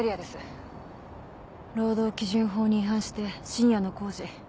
労働基準法に違反して深夜の工事。